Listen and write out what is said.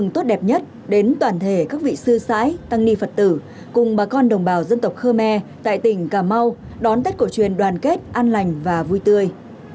thể các vị sư xãi tăng ni phật tử cùng bà con đồng bào dân tộc khơ me tại tỉnh cà mau đón tết cổ truyền đoàn kết an lành và vui tươi